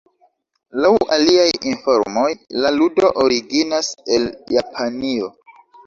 Laŭ aliaj informoj la ludo originas el Japanio.